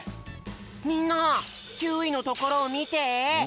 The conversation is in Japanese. みんな９いのところをみて！